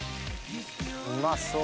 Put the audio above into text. うまそう。